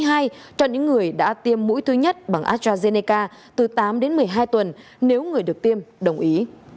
cho những người đã tiêm mũi thứ nhất bằng astrazeneca từ tám đến một mươi hai tuần nếu người được tiêm đồng ý